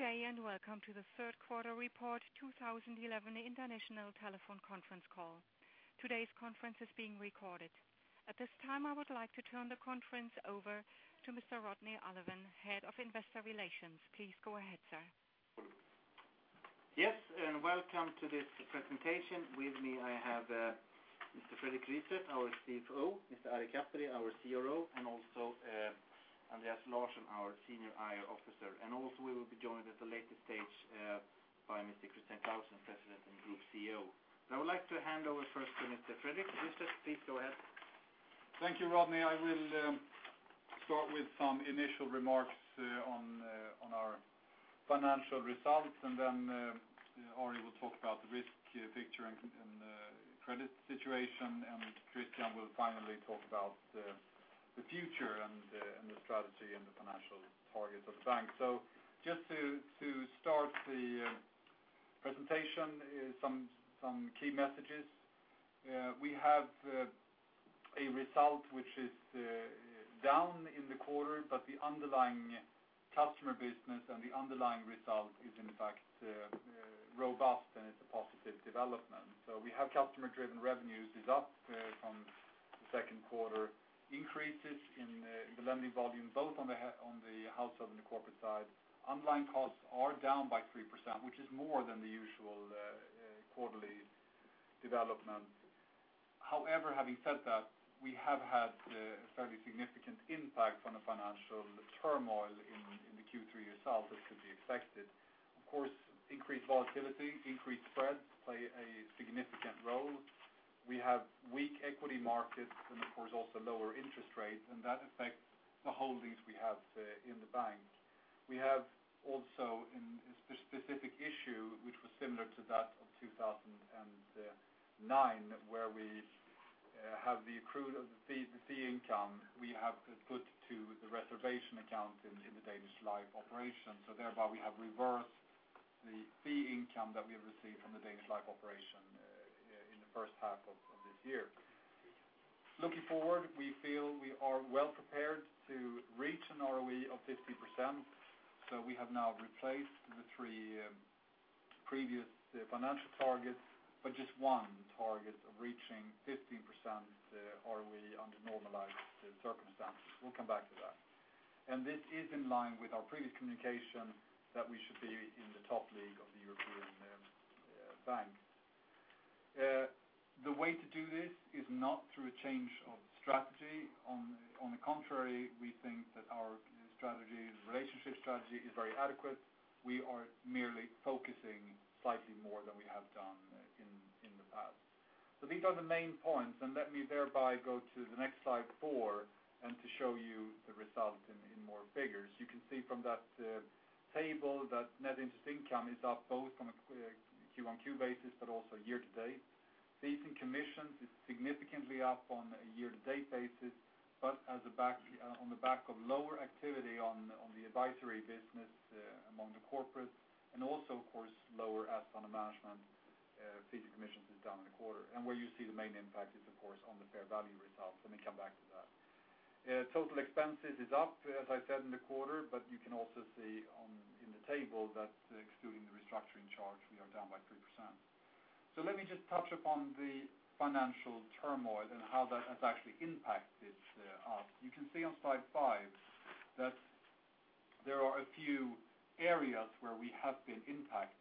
Okay, and welcome to the third quarter report 2011 international telephone conference call. Today's conference is being recorded. At this time, I would like to turn the conference over to Mr. Rodney Alfvén, Head of Investor Relations. Please go ahead, sir. Yes, and welcome to this presentation. With me, I have Mr. Fredrik Rystedt, our CFO, Mr. Ari Kaperi, our CRO, and also Andreas Larsson, our Senior IR Officer. We will be joined at a later stage by Mr. Christian Clausen, President and Group CEO. I would like to hand over first to Mr. Fredrik. If you just please go ahead. Thank you, Rodney. I will start with some initial remarks on our financial results, and then Ari will talk about the risk picture and credit situation, and Christian will finally talk about the future and the strategy and the financial targets of the bank. Just to start the presentation, some key messages. We have a result which is down in the quarter, but the underlying customer business and the underlying result is, in fact, robust, and it's a positive development. We have customer-driven revenues, it's up from the second quarter. Increases in the lending volume, both on the household and the corporate side. Underlying costs are down by 3%, which is more than the usual quarterly development. However, having said that, we have had a fairly significant impact on the financial turmoil in the Q3 result as could be expected. Of course, increased volatility, increased spreads play a significant role. We have weak equity markets, and of course, also lower interest rates, and that affects the holdings we have in the bank. We have also a specific issue, which was similar to that of 2009, where we have the accrued fee income we have put to the reservation account in the Danish Life operations. Thereby, we have reversed the fee income that we have received from the Danish Life operation in the first half of this year. Looking forward, we feel we are well prepared to reach an ROE of 15%. We have now replaced the three previous financial targets with just one target of reaching 15% ROE under normalized circumstances. We'll come back to that. This is in line with our previous communication that we should be in the top league of the European banks. The way to do this is not through a change of strategy. On the contrary, we think that our strategy, relationship strategy, is very adequate. We are merely focusing slightly more than we have done in the past. These are the main points. Let me thereby go to the next slide four and show you the result in more figures. You can see from that table that net interest income is up both on a Q1/Q basis, but also year to date. Fees and commissions are significantly up on a year-to-date basis, but on the back of lower activity on the advisory business among the corporate, and also, of course, lower asset management. Fees and commissions is down in the quarter. Where you see the main impact is, of course, on the fair value results. Let me come back to that. Total expenses is up, as I said, in the quarter, but you can also see in the table that, excluding the restructuring charge, we are down by 3%. Let me just touch upon the financial turmoil and how that has actually impacted us. You can see on slide five that there are a few areas where we have been impacted.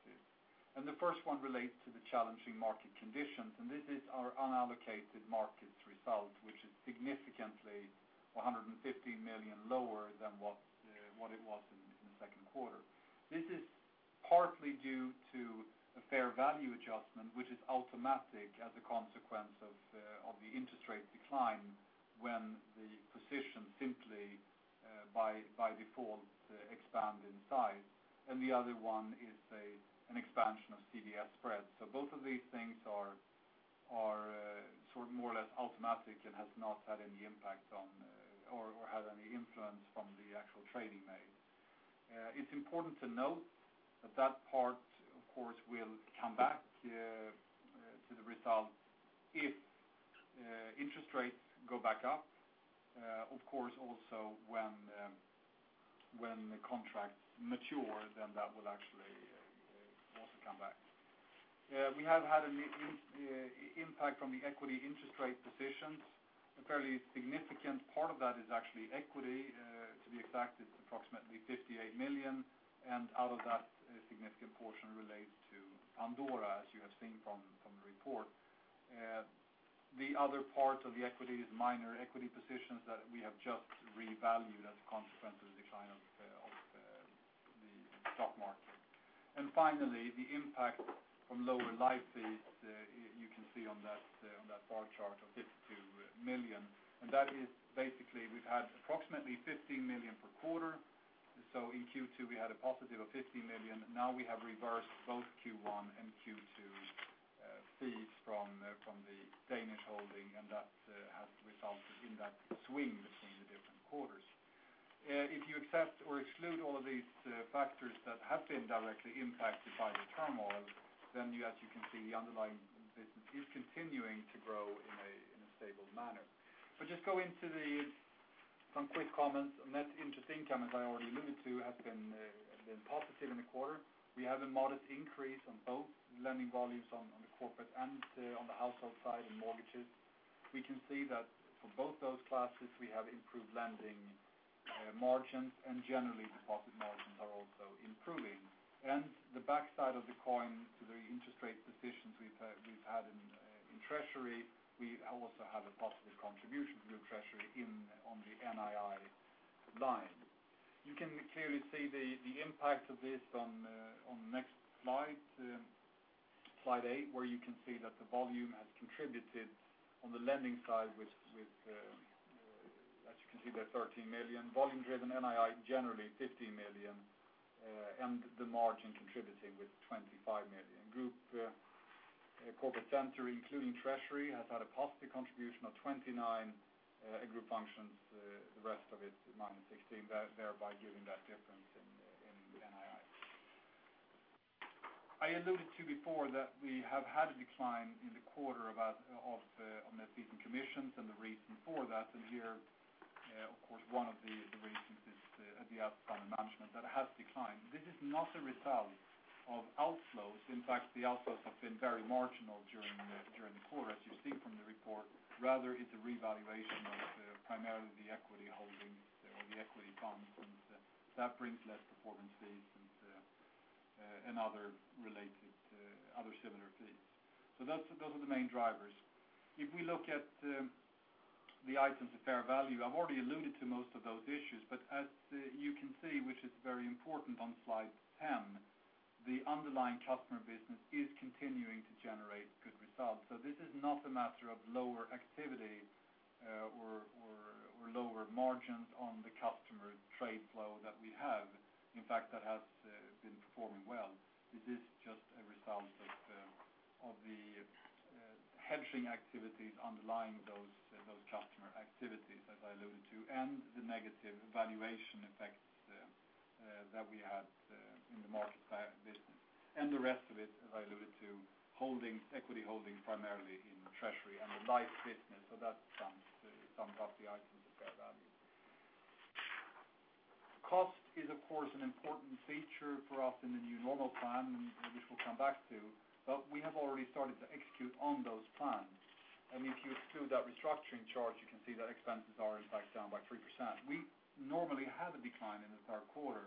The first one relates to the challenging market conditions. This is our unallocated markets result, which is significantly 115 million lower than what it was in the second quarter. This is partly due to a fair value adjustment, which is automatic as a consequence of the interest rate decline when the position simply, by default, expanded in size. The other one is an expansion of CDS spreads. Both of these things are more or less automatic and have not had any impact on or had any influence on the actual trading made. It's important to note that that part, of course, will come back to the result if interest rates go back up. Of course, also when the contract matures, then that will actually also come back. We have had an impact on the equity interest rate positions. A fairly significant part of that is actually equity. To be exact, it's approximately $58 million. Out of that, a significant portion relates to Pandora, as you have seen from the report. The other part of the equity is minor equity positions that we have just revalued as a consequence of the decline of the stock market. Finally, the impacts from lower life fees, you can see on that bar chart of 52 million. That is basically, we've had approximately EUR $15 million per quarter. In Q2, we had a positive of 15 million. Now we have reversed both Q1 and Q2 fees from the Danish holding, and that has resulted in that swing between the different quarters. If you accept or exclude all of these factors that have been directly impacted by the turmoil, then you, as you can see, the underlying business is continuing to grow in a stable manner. Just going to some quick comments. Net interest income, as I already alluded to, has been positive in the quarter. We have a modest increase in both lending volumes on the corporate and on the household side and mortgages. We can see that for both those classes, we have improved lending margins, and generally, deposit margins are also improving. The backside of the coin to the interest rate positions we've had in treasury, we also have a positive contribution to the treasury on the NII side. You can clearly see the impact of this on the next slide, slide eight, where you can see that the volume has contributed on the lending side with, as you can see, the 13 million volume-driven NII, generally EUR $15 million, and the margin contributing with 25 million. Group Corporate Center, including Treasury, has had a positive contribution of 29 million. Group Functions, the rest of it -16 million, thereby giving that difference in the NII. I alluded to before that we have had a decline in the quarter of net fees and commissions and the reason for that. Here, of course, one of the reasons is the asset management that has declined. This is not a result of outflows. In fact, the outflows have been very marginal during the quarter, as you've seen from the report. Rather, it's a revaluation of primarily the equity holdings or the equity funds, and that brings less performance fees and other similar fees. Those are the main drivers. If we look at the items of fair value, I've already alluded to most of those issues. As you can see, which is very important on slide 10, the underlying customer business is continuing to generate good results. This is not a matter of lower activity or lower margins on the customer trade flow that we have. In fact, that has been performing well. This is just a result of the hedging activities underlying those customer activities, as I alluded to, and the negative valuation effects that we had in the market side of the business. The rest of it, as I alluded to, holdings, equity holdings primarily in Treasury and the life business. That sums up the items of fair value. Cost is, of course, an important feature for us in the new model plan, which we'll come back to. We've already started to execute on those plans. If you exclude that restructuring charge, you can see that expenses are, in fact, down by 3%. We normally had a decline in the third quarter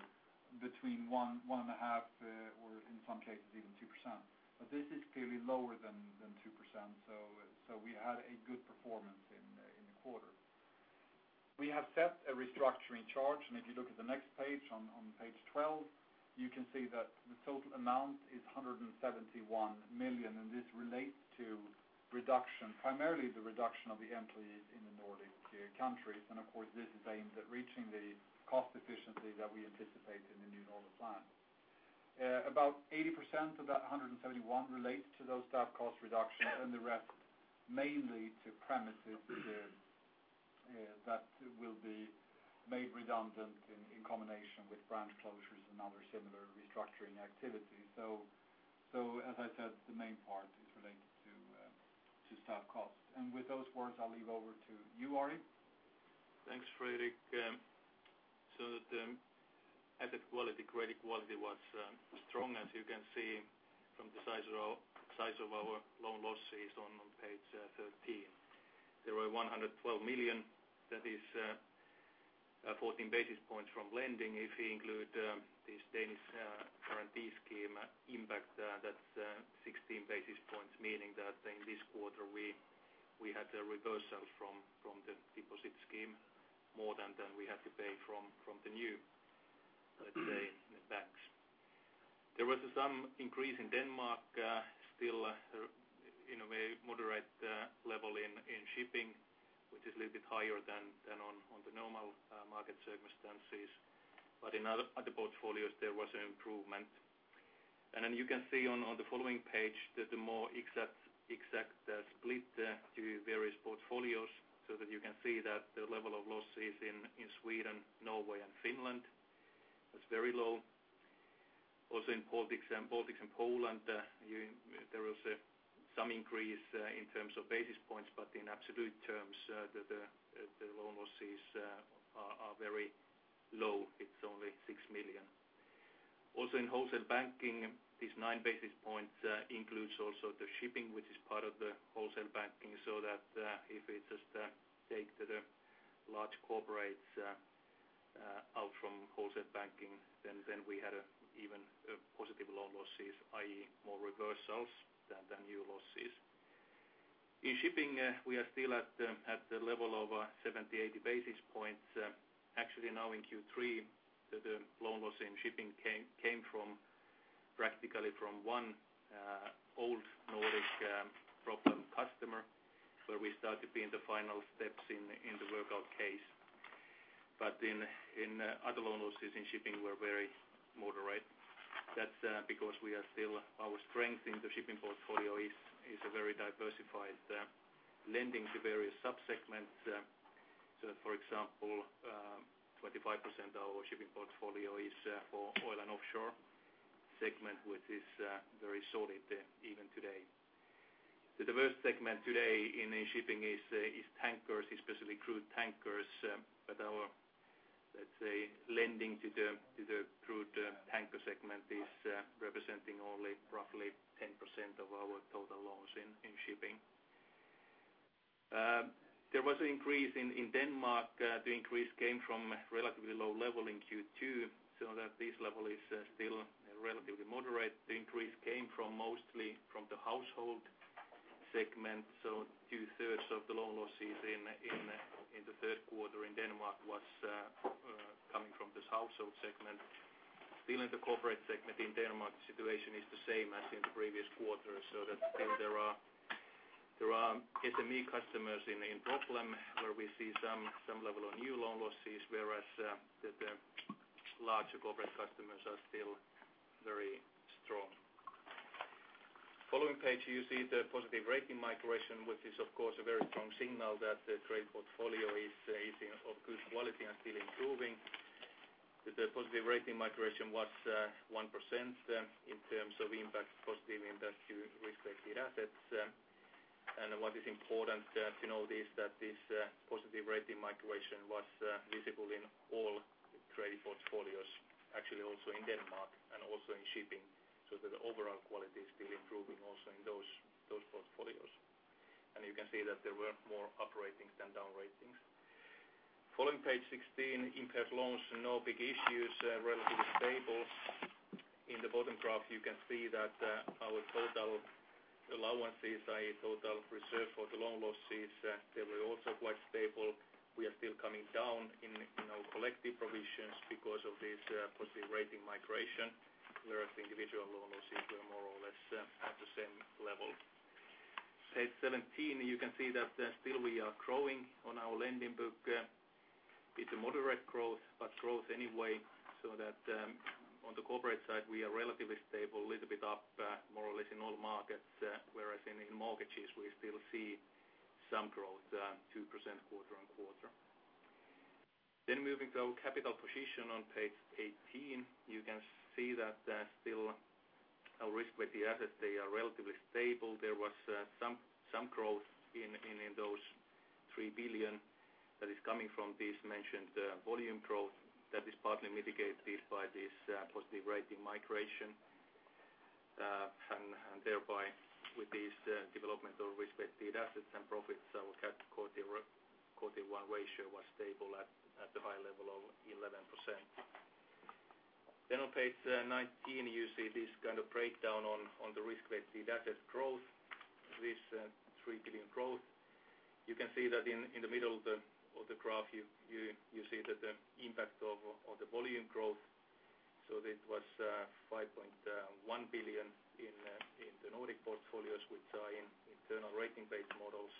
between 1.5% or, in some cases, even 2%. This is clearly lower than 2%. We had a good performance in the quarter. We have set a restructuring charge. If you look at the next page, on page 12, you can see that the total amount is 171 million. This relates to reduction, primarily the reduction of the employees in the Nordic countries. This is aimed at reaching the cost efficiency that we anticipate in the new model plan. About 80% of that 171 million relates to those top cost reductions, and the rest mainly to premises that will be made redundant in combination with branch closures and other similar restructuring activities. The main part is related to staff costs. With those words, I'll leave over to you, Ari. Thanks, Fredrik. The asset quality, credit quality was strong, as you can see from the size of our loan losses on page 13. There were 112 million. That is 14 basis points from lending. If we include this Danish guarantee scheme impact, that's 16 basis points, meaning that in this quarter, we had reversals from the deposit scheme, more than we had to pay from the new, let's say, banks. There was some increase in Denmark, still at a very moderate level in shipping, which is a little bit higher than under normal market circumstances. In other portfolios, there was an improvement. You can see on the following page the more exact split to various portfolios so that you can see that the level of losses in Sweden, Norway, and Finland was very low. Also, in Baltics and Poland, there was some increase in terms of basis points, but in absolute terms, the loan losses are very low. It's only 6 million. Also, in wholesale banking, these 9 basis points include also the shipping, which is part of the wholesale banking. If we just take the large corporates out from wholesale banking, then we had even positive loan losses, i.e., more reversals than new losses. In shipping, we are still at the level of 78 basis points. Actually, now in Q3, the loan loss in shipping came practically from one old Nordic problem customer where we started to be in the final steps in the workout case. In other loan losses in shipping, we're very moderate. That's because our strength in the shipping portfolio is a very diversified lending to various subsegments. For example, 25% of our shipping portfolio is for oil and offshore segment, which is very solid even today. The diverse segment today in shipping is tankers, especially crude tankers. Our lending to the crude tanker segment is representing only roughly 10% of our total loans in shipping. There was an increase in Denmark. The increase came from a relatively low level in Q2. This level is still relatively moderate. The increase came mostly from the household segment. 2/3 of the loan losses in the third quarter in Denmark were coming from this household segment. Still, in the corporate segment in Denmark, the situation is the same as in the previous quarter. There are SME customers in problems where we see some level of new loan losses, whereas the larger corporate customers are still very strong. Following page, you see the positive rating migration, which is, of course, a very strong signal that the credit portfolio is of good quality and still improving. The positive rating migration was 1% in terms of positive impact to risk-related assets. What is important to note is that this positive rating migration was visible in all credit portfolios, actually also in Denmark and also in shipping, so that the overall quality is still improving also in those portfolios. You can see that there were more up ratings than down ratings. Following page 16, impaired loans, no big issues, relatively stable. In the bottom graph, you can see that our total allowances, i.e., total reserve for the loan losses, they were also quite stable. We are still coming down in our collective provisions because of this positive rating migration, whereas individual loan losses were more or less at the same level. Page 17, you can see that still we're growing on our lending book. It's a moderate growth, but growth anyway. On the corporate side, we are relatively stable, a little bit up more or less in all markets, whereas in mortgages, we still see some growth, 2% quarter-on-quarter. Moving to our capital position on page 18, you can see that still our risk-related assets, they are relatively stable. There was some growth in those 3 billion that is coming from this mentioned volume growth that is partly mitigated by this positive rating migration. With this development of risk-related assets and profits, our Core Tier 1 ratio was stable at the high level of 11%. On page 19, you see this kind of breakdown on the risk-related asset growth, this 3 billion growth. You can see that in the middle of the graph, you see the impact of the volume growth. It was 5.1 billion in the Nordic portfolios, which are in internal rating-based models,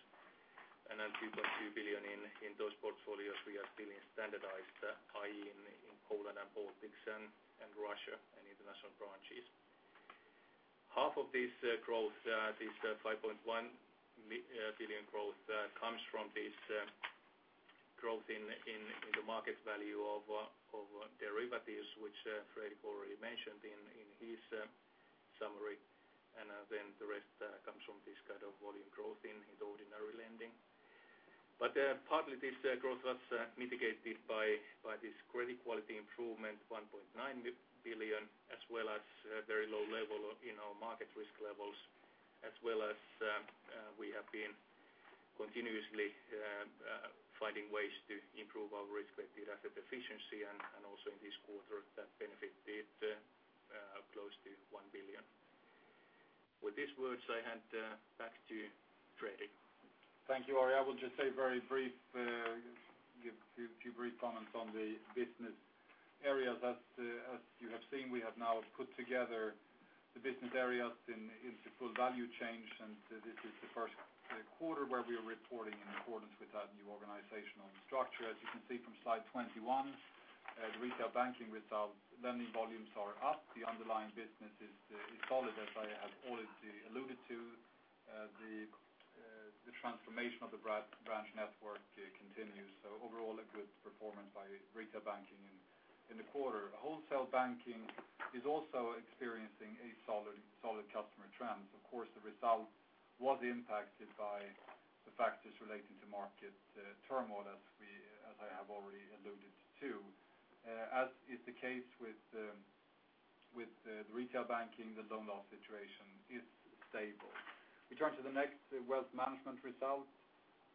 and then 2.2 billion in those portfolios we are still in standardized, i.e., in Poland and Baltics and Russia and international branches. Half of this growth, this 5.1 billion growth, comes from this growth in the market value of derivatives, which Fredrik already mentioned in his summary. The rest comes from this kind of volume growth in the ordinary lending. Partly this growth was mitigated by this credit quality improvement, 1.9 billion, as well as a very low level in our market risk levels, as well as we have been continuously finding ways to improve our risk-related asset efficiency. This quarter benefited close to 1 billion. With these words, I hand back to Fredrik. Thank you, Ari. I would just say very brief, you have a few brief comments on the business areas. As you have seen, we have now put together the business areas in full value chain. This is the first quarter where we are reporting in accordance with our new organizational structure. As you can see from slide 21, the retail banking results, lending volumes are up. The underlying business is solid, as I have already alluded to. The transformation of the branch network continues. Overall, a good performance by retail banking in the quarter. Wholesale banking is also experiencing a solid customer trend. Of course, the result was impacted by the factors related to market turmoil, as I have already alluded to. As is the case with the retail banking, the loan loss situation is stable. We turn to the next wealth management result.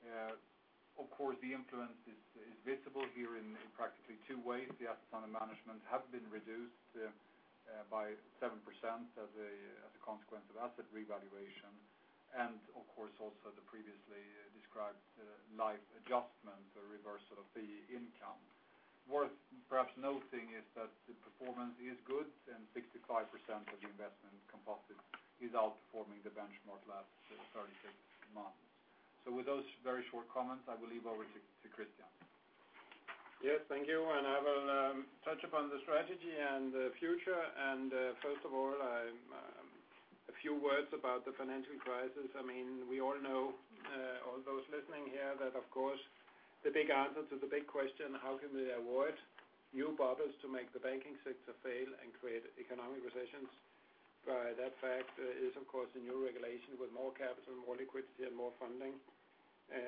The influence is visible here in practically two ways. The asset management has been reduced by 7% as a consequence of asset revaluation. Also, the previously described life adjustment or reversal of fee income. Worth perhaps noting is that the performance is good, and 65% of the investment composite is outperforming the benchmark last 36 months. With those very short comments, I will leave over to Christian. Yes, thank you. I will touch upon the strategy and the future. First of all, a few words about the financial crisis. I mean, we all know, all those listening here, that of course, the big answer to the big question, how can we avoid new bubbles to make the banking sector fail and create economic recessions? By that fact, there is, of course, a new regulation with more capital, more liquidity, and more funding.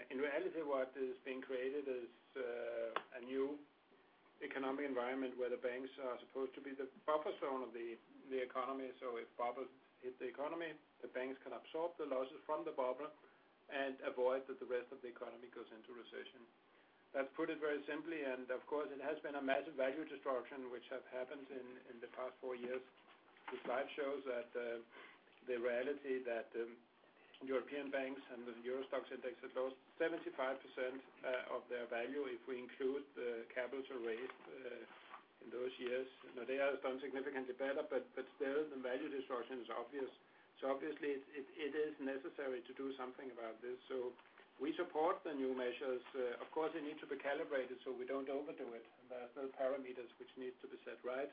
In reality, what has been created is a new economic environment where the banks are supposed to be the buffer zone of the economy. If bubbles hit the economy, the banks can absorb the losses from the bubble and avoid that the rest of the economy goes into recession. Let's put it very simply. It has been a massive value destruction, which has happened in the past four years. The slide shows the reality that European banks and the Euro Stoxx Index have lost 75% of their value if we include the capital raised in those years. Now, they have done significantly better, but still, the value destruction is obvious. Obviously, it is necessary to do something about this. We support the new measures. Of course, they need to be calibrated so we don't overdo it. There are still parameters which need to be set right.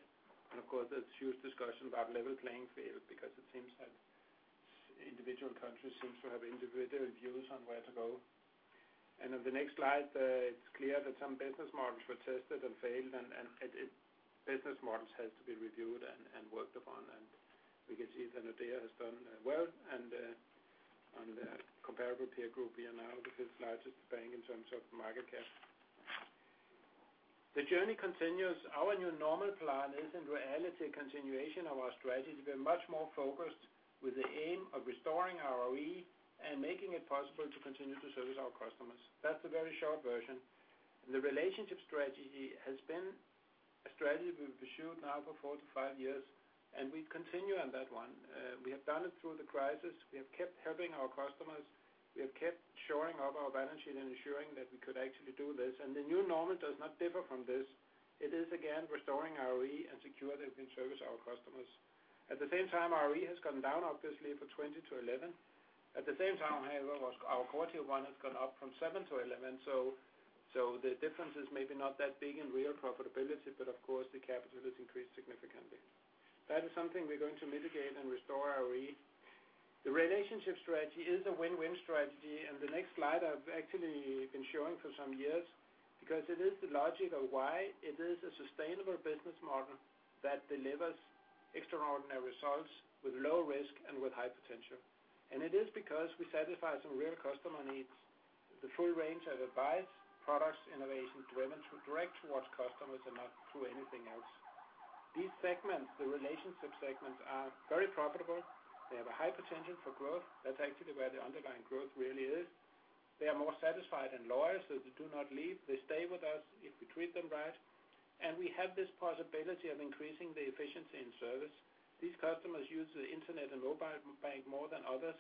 There is a huge discussion about level playing field because it seems like individual countries seem to have individual views on where to go. On the next slide, it's clear that some business models were tested and failed, and business models have to be reviewed and worked upon. We can see that Nordea has done well. On the comparable peer group, we are now the fifth largest bank in terms of market cap. The journey continues. Our new normal plan is, in reality, a continuation of our strategy. We are much more focused with the aim of restoring our ROE and making it possible to continue to service our customers. That's the very short version. The relationship strategy has been a strategy we've pursued now for four to five years. We continue on that one. We have done it through the crisis. We have kept helping our customers. We have kept shoring up our balance sheet and ensuring that we could actually do this. The new normal does not differ from this. It is, again, restoring our ROE and security of service to our customers. At the same time, our ROE has gone down, obviously, for 2020-2011. At the same time, however, our quarter one has gone up from 7%-11%. The difference is maybe not that big in real profitability, but of course, the capital has increased significantly. That is something we're going to mitigate and restore our ROE. The relationship strategy is a win-win strategy. The next slide I've actually been showing for some years because it is the logic of why it is a sustainable business model that delivers extraordinary results with low risk and with high potential. It is because we satisfy some real customer needs. The full range of advice, products, innovations direct towards customers and not through anything else. These segments, the relationship segments, are very profitable. They have a high potential for growth. That's actually where the underlying growth really is. They are more satisfied than lawyers, so they do not leave. They stay with us if we treat them right. We have this possibility of increasing the efficiency in service. These customers use the internet and mobile bank more than others.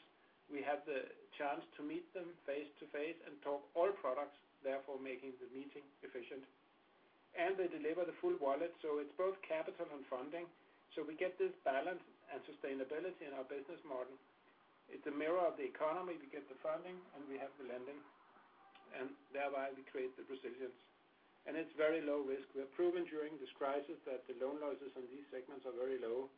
We have the chance to meet them face-to-face and talk all products, therefore making the meeting efficient. They deliver the full wallet. It's both capital and funding. We get this balance and sustainability in our business model. It's a mirror of the economy. We get the funding, and we have the lending. Thereby, we create the resilience. It's very low risk. We have proven during this crisis that the loan losses on these segments are very low.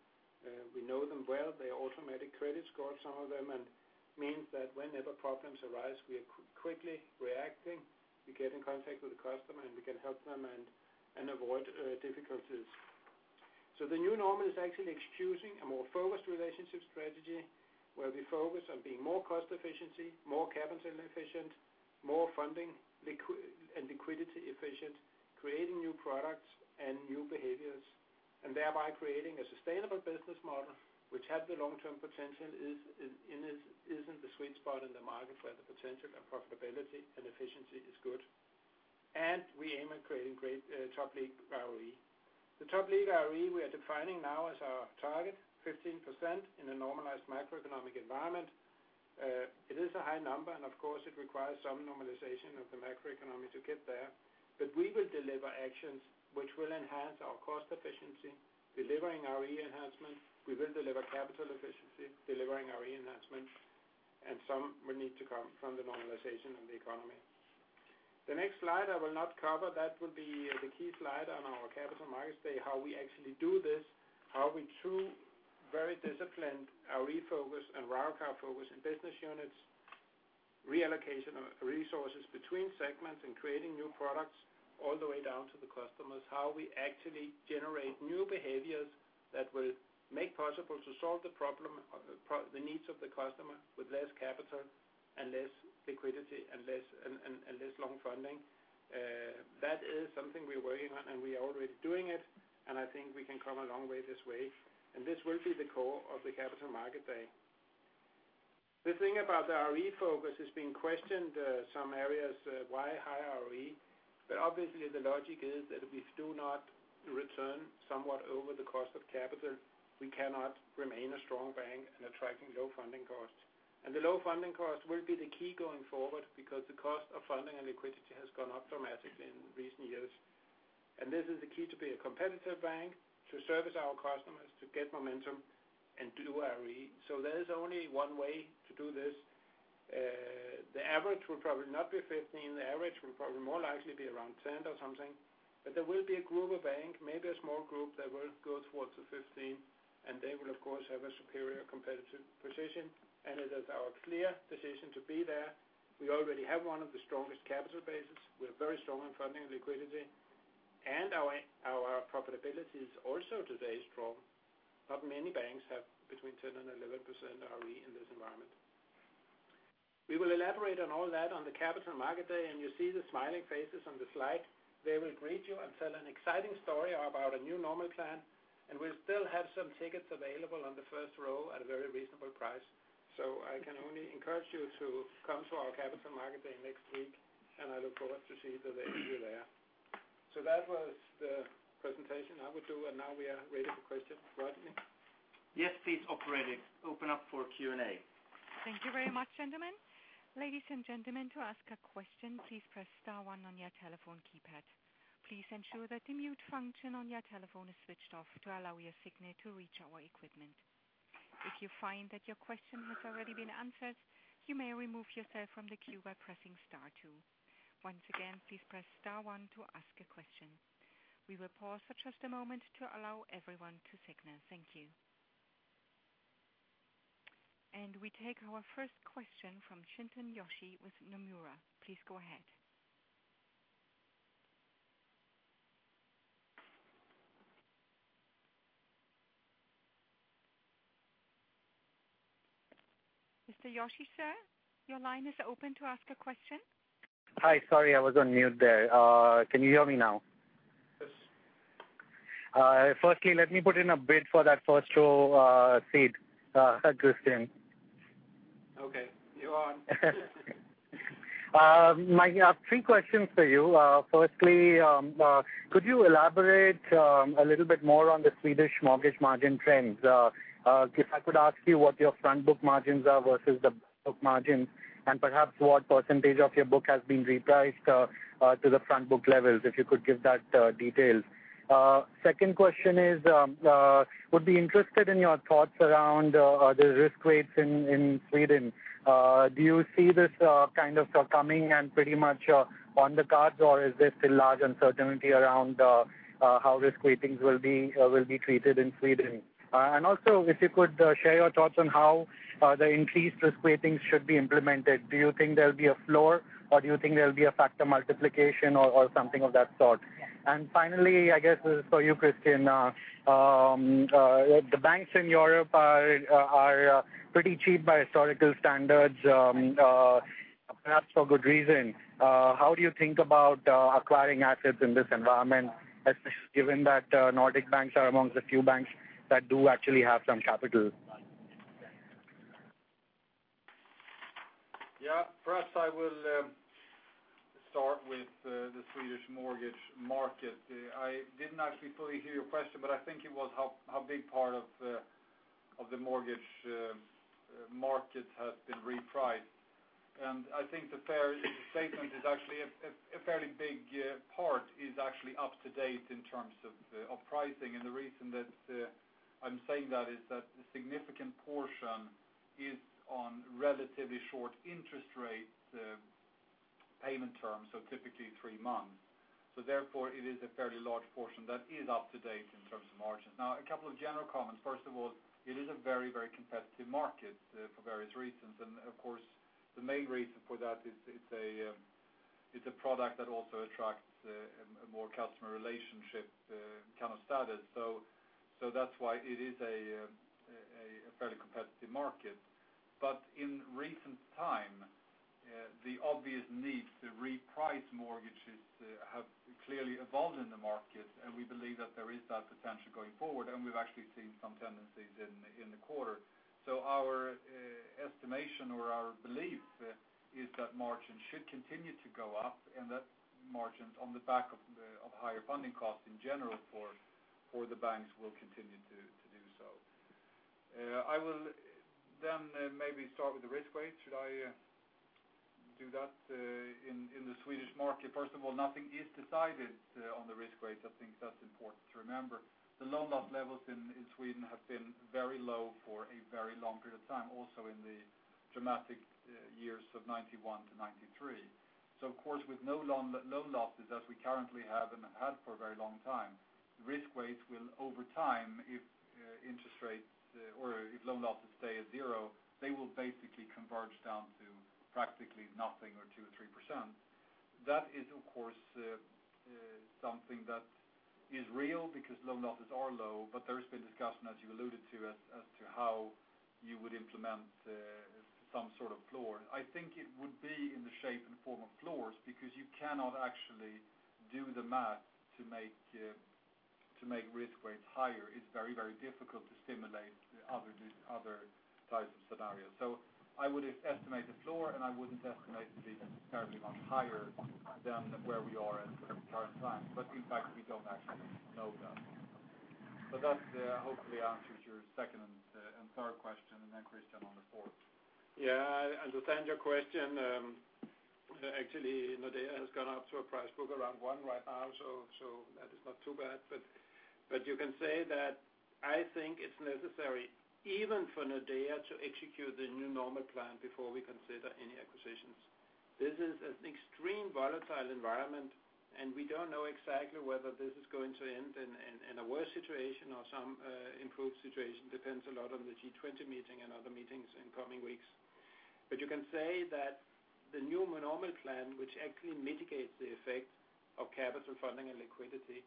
We know them well. They are automatic credit scores, some of them, and it means that whenever problems arise, we are quickly reacting. We get in contact with the customer, and we can help them and avoid difficulties. The new normal is actually excusing a more focused relationship strategy where we focus on being more cost-efficient, more capital-efficient, more funding-and liquidity-efficient, creating new products and new behaviors, and thereby creating a sustainable business model which has the long-term potential, is in the sweet spot in the market where the potential and profitability and efficiency is good. We aim at creating great top-league ROE. The top-league ROE we are defining now as our target, 15% in a normalized macroeconomic environment. It is a high number, and of course, it requires some normalization of the macroeconomy to get there. We will deliver actions which will enhance our cost efficiency, delivering ROE enhancements. We will deliver capital efficiency, delivering ROE enhancements, and some will need to come from the normalization in the economy. The next slide I will not cover. That will be the key slide on our Capital Markets Day, how we actually do this, how we truly, very disciplined, ROE-focused and client-focused in business units, reallocation of resources between segments, and creating new products all the way down to the customers, how we actually generate new behaviors that will make it possible to solve the problem, the needs of the customer with less capital and less liquidity and less and less long funding. That is something we're working on, and we are already doing it. I think we can come a long way this way. This will be the core of the Capital Market Day. The thing about the ROE focus has been questioned in some areas, why high ROE? Obviously, the logic is that if we do not return somewhat over the cost of capital, we cannot remain a strong bank and attracting low funding costs. The low funding costs will be the key going forward because the cost of funding and liquidity has gone up dramatically in recent years. This is the key to be a competitive bank, to service our customers, to get momentum, and do ROE. There is only one way to do this. The average will probably not be 15%. The average will probably more likely be around 10% or something. There will be a group of banks, maybe a small group, that will go towards the 15%, and they will, of course, have a superior competitive position. It is our clear position to be there. We already have one of the strongest capital bases. We are very strong in funding and liquidity. Our profitability is also today strong. Not many banks have between 10% and 11% ROE in this environment. We will elaborate on all that on the capital market day, and you see the smiling faces on the slide. They will greet you and tell an exciting story about a new normal plan. We'll still have some tickets available on the first row at a very reasonable price. I can only encourage you to come to our capital market day next week, and I look forward to seeing you there. That was the presentation I would do. Now we are ready for questions. Rodney? Yes, please. Operating. Open up for Q&A. Thank you very much, gentlemen. Ladies and gentlemen, to ask a question, please press star one on your telephone keypad. Please ensure that the mute function on your telephone is switched off to allow your signal to reach our equipment. If you find that your question has already been answered, you may remove yourself from the queue by pressing star two. Once again, please press star one to ask a question. We will pause for just a moment to allow everyone to signal. Thank you. We take our first question from Shinton Yoshi with Nomura. Please go ahead. Mr. Yoshi, sir, your line is open to ask a question. Hi, sorry, I was on mute. Can you hear me now? Yes. Firstly, let me put in a bid for that first row seat, Christian. Okay, you're on. I have three questions for you. Firstly, could you elaborate a little bit more on the Swedish mortgage margin trends? If I could ask you what your front-book margins are versus the book margins, and perhaps what percentage of your book has been repriced to the front-book levels, if you could give that detail. Second question is, would be interested in your thoughts around the risk rates in Sweden. Do you see this kind of coming and pretty much on the cards, or is there still large uncertainty around how risk ratings will be treated in Sweden? Also, if you could share your thoughts on how the increased risk ratings should be implemented. Do you think there'll be a floor, or do you think there'll be a factor multiplication or something of that sort? Finally, I guess this is for you, Christian. The banks in Europe are pretty cheap by historical standards, perhaps for good reason. How do you think about acquiring assets in this environment, especially given that Nordic banks are amongst the few banks that do actually have some capital? Yeah. First, I will start with the Swedish mortgage market. I didn't actually fully hear your question, but I think it was how big part of the mortgage market has been repriced. I think the fair statement is actually a fairly big part is actually up to date in terms of pricing. The reason that I'm saying that is that a significant portion is on relatively short interest rate payment terms, so typically three months. Therefore, it is a fairly large portion that is up to date in terms of margins. Now, a couple of general comments. First of all, it is a very, very competitive market for various reasons. Of course, the main reason for that is it's a product that also attracts a more customer relationship kind of status. That's why it is a fairly competitive market. In recent time, the obvious need to reprice mortgages has clearly evolved in the market. We believe that there is that potential going forward. We've actually seen some tendencies in the quarter. Our estimation or our belief is that margins should continue to go up and that margins on the back of higher funding costs in general for the banks will continue to do so. I will then maybe start with the risk rates. Should I do that in the Swedish market? First of all, nothing is decided on the risk rates. I think that's important to remember. The loan loss levels in Sweden have been very low for a very long period of time, also in the dramatic years of 1991-1993. Of course, with no loan losses as we currently have and have had for a very long time, the risk rates will, over time, if interest rates or if loan losses stay at zero, they will basically converge down to practically nothing or 2%-3%. That is, of course, something that is real because loan losses are low. There has been discussion, as you alluded to, as to how you would implement some sort of floor. I think it would be in the shape and form of floors because you cannot actually do the math to make risk rates higher. It's very, very difficult to simulate other types of scenarios. I would estimate the floor, and I wouldn't estimate it to be terribly much higher than where we are at the current time. In fact, we don't actually know that. That hopefully answers your second and third question, and then Christian on the fourth. Yeah. To end your question, actually, Nordea has gone up to a price book around one right now. That is not too bad. You can say that I think it's necessary even for Nordea to execute the new normal plan before we consider any acquisitions. This is an extremely volatile environment, and we don't know exactly whether this is going to end in a worse situation or some improved situation. It depends a lot on the G20 meeting and other meetings in coming weeks. You can say that the new normal plan, which actually mitigates the effect of capital funding and liquidity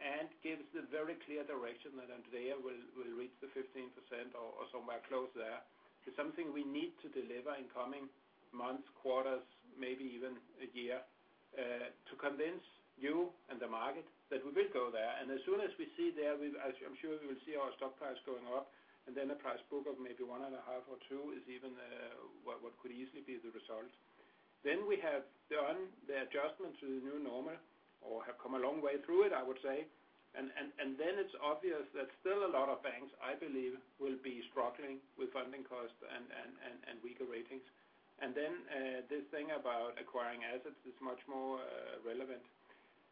and gives the very clear direction that Nordea will reach the 15% or somewhere close there, is something we need to deliver in coming months, quarters, maybe even a year, to convince you and the market that we will go there. As soon as we see there, I'm sure we will see our stock price going up. A price book of maybe one and a half or two is even what could easily be the result. We have done the adjustment to the new normal or have come a long way through it, I would say. It is obvious that still a lot of banks, I believe, will be struggling with funding costs and weaker ratings. This thing about acquiring assets is much more relevant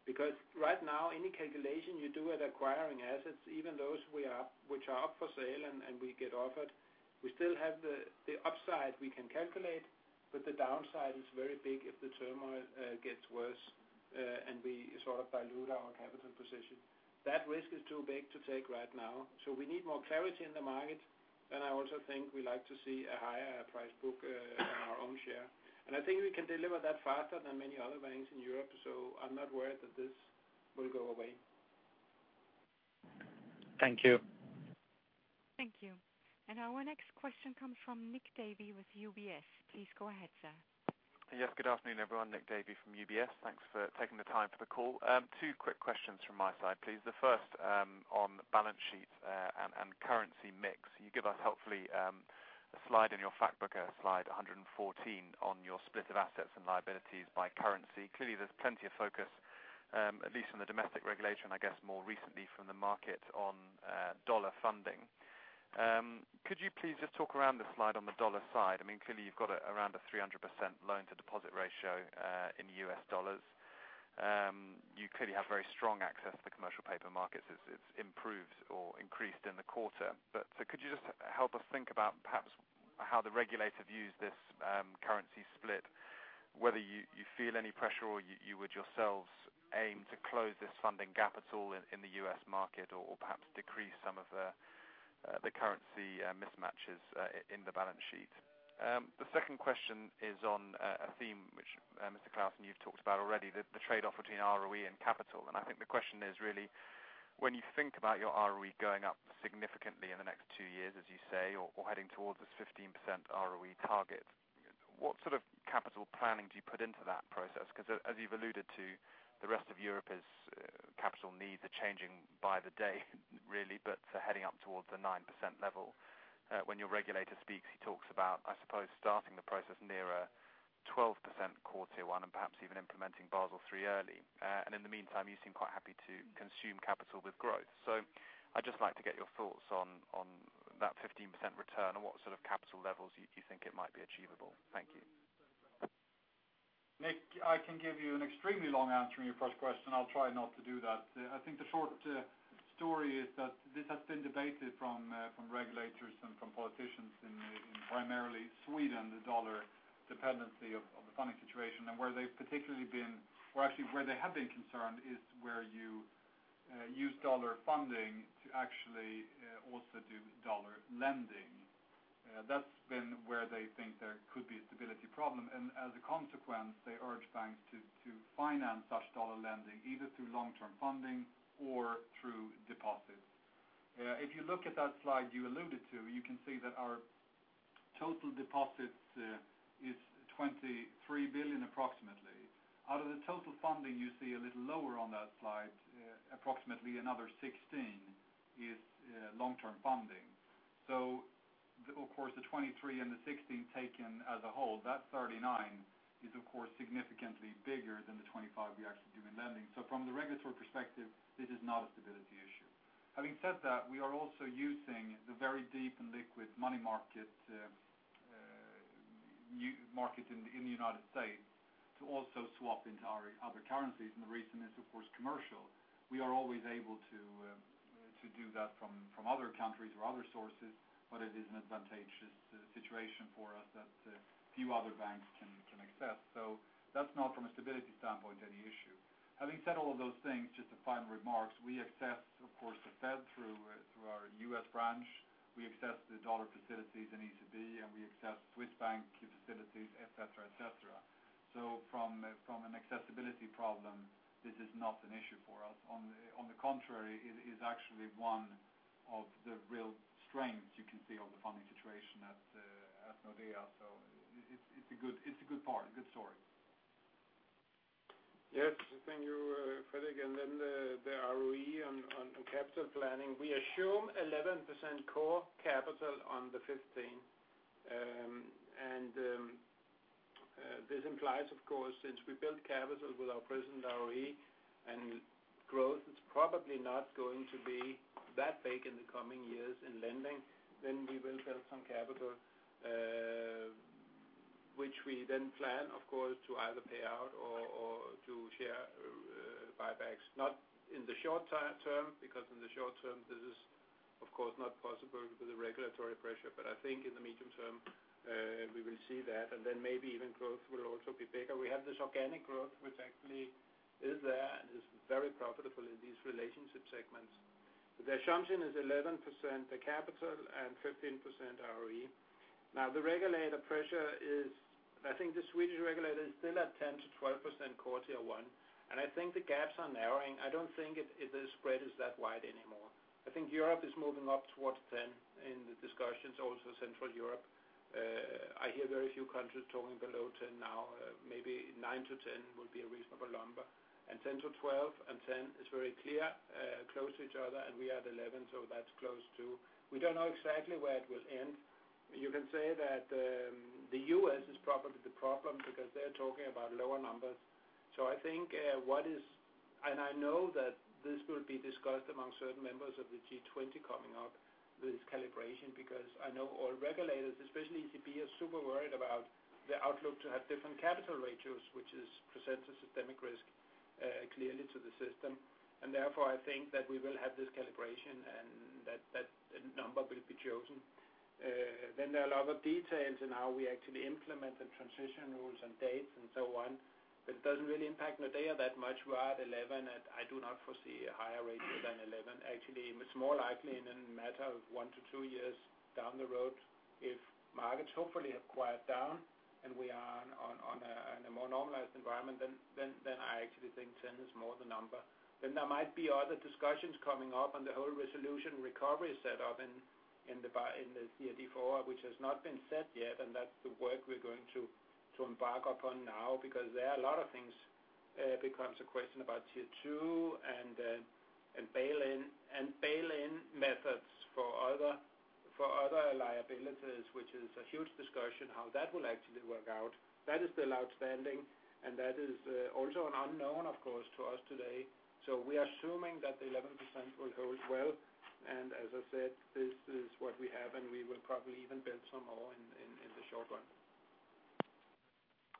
because right now, any calculation you do at acquiring assets, even those which are up for sale and we get offered, we still have the upside we can calculate, but the downside is very big if the turmoil gets worse and we sort of dilute our capital position. That risk is too big to take right now. We need more clarity in the market. I also think we like to see a higher price book in our own share. I think we can deliver that faster than many other banks in Europe. I'm not worried that this will go away. Thank you. Thank you. Our next question comes from Nick Davey with UBS. Please go ahead, sir. Yes. Good afternoon, everyone. Nick Davey from UBS. Thanks for taking the time for the call. Two quick questions from my side, please. The first on balance sheets and currency mix. You give us hopefully a slide in your fact book, slide 114, on your split of assets and liabilities by currency. Clearly, there's plenty of focus, at least from the domestic regulator and I guess more recently from the market on dollar funding. Could you please just talk around the slide on the dollar side? I mean, clearly, you've got around a 300% loan-to-deposit ratio in U.S. dollars. You clearly have very strong access to the commercial paper markets. It's improved or increased in the quarter. Could you just help us think about perhaps how the regulator views this currency split, whether you feel any pressure or you would yourselves aim to close this funding gap at all in the U.S. market or perhaps decrease some of the currency mismatches in the balance sheet? The second question is on a theme which Mr. Clausen, you've talked about already, the trade-off between ROE and capital. I think the question is really, when you think about your ROE going up significantly in the next two years, as you say, or heading towards this 15% ROE target, what sort of capital planning do you put into that process? Because as you've alluded to, the rest of Europe's capital needs are changing by the day, really, but they're heading up towards the 9% level. When your regulator speaks, he talks about, I suppose, starting the process nearer a 12% quarter one and perhaps even implementing Basel III early. In the meantime, you seem quite happy to consume capital with growth. I'd just like to get your thoughts on that 15% return and what sort of capital levels you think it might be achievable. Thank you. Nick, I can give you an extremely long answer on your first question. I'll try not to do that. I think the story is that this has been debated from regulators and from politicians in primarily Sweden, the dollar dependency of the funding situation. Where they've particularly been, or actually where they have been concerned, is where you use dollar funding to actually also do dollar lending. That's been where they think there could be a stability problem. As a consequence, they urge banks to finance such dollar lending either through long-term funding or through deposit. If you look at that slide you alluded to, you can see that our total deposits is 23 billion approximately. Out of the total funding, you see a little lower on that slide, approximately another 16 billion is long-term funding. Of course, the 23 billion and the 16 billion taken as a whole, that 39 billion is, of course, significantly bigger than the 25 billion we actually do in lending. From the regulatory perspective, this is not a stability issue. Having said that, we are also using the very deep and liquid money market in the United States to also swap into other currencies. The reason is, of course, commercial. We are always able to do that from other countries or other sources, but it is an advantageous situation for us that few other banks can access. That's not, from a stability standpoint, any issue. Having said all of those things, just to final remarks, we access, of course, the Fed through our U.S. branch. We access the dollar facilities and ECB, and we access Swiss bank facilities, etc., etc. From an accessibility problem, this is not an issue for us. On the contrary, it is actually one of the real strengths you can see on the funding situation at Nordea. It's a good part, a good story. Yes. Thank you, Fredrik. The ROE on capital planning: we assume 11% core capital on the 15%. This implies, of course, since we build capital with our present ROE and growth, it's probably not going to be that big in the coming years in lending. We will build some capital, which we then plan, of course, to either pay out or to share buybacks. Not in the short term because in the short term, this is, of course, not possible with the regulatory pressure. I think in the medium term, we will see that. Maybe even growth will also be bigger. We have this organic growth, which actually is there and is very profitable in these relationship segments. The assumption is 11% the capital and 15% ROE. Now, the regulator pressure is, I think the Swedish regulator is still at 10%-12% quarter one. I think the gaps are narrowing. I don't think the spread is that wide anymore. I think Europe is moving up towards 10% in the discussions, also Central Europe. I hear very few countries talking below 10% now. Maybe 9%-10% would be a reasonable number. 10%-12% and 10% is very clear, close to each other. We are at 11%, so that's close too. We don't know exactly where it will end. You can say that the U.S. is probably the problem because they're talking about lower numbers. I think what is, and I know that this will be discussed among certain members of the G20 coming up, this calibration, because I know all regulators, especially ECB, are super worried about the outlook to have different capital ratios, which presents a systemic risk clearly to the system. Therefore, I think that we will have this calibration and that the number will be chosen. There are a lot of details in how we actually implement the transition rules and dates and so on. It doesn't really impact Nordea that much. We are at 11%. I do not foresee a higher rate than 11%. Actually, it's more likely in a matter of one to two years down the road. If markets hopefully have quieted down and we are in a more normalized environment, then I actually think 10% is more the number. There might be other discussions coming up on the whole resolution recovery setup in the Tier 4, which has not been set yet. That's the work we're going to embark upon now because there are a lot of things. It becomes a question about Tier 2 and bail-in methods for other liabilities, which is a huge discussion, how that will actually work out. That is still outstanding. That is also an unknown, of course, to us today. We are assuming that the 11% will hold well. As I said, this is what we have, and we will probably even build some more in the short run.